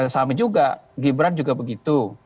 sama juga gibran juga begitu